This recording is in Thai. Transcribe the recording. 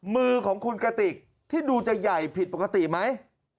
มือของคุณกระติกที่ดูจะใหญ่ผิดปกติไหม